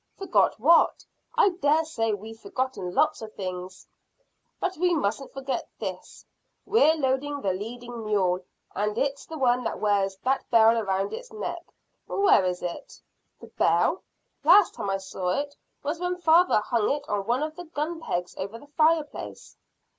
"Forgot what? I dare say we've forgotten lots of things." "But we mustn't forget this. We're loading the leading mule, and it's the one that wears that bell round its neck. Where is it?" "The bell? Last time I saw it was when father hung it on one of the gun pegs over the fire place."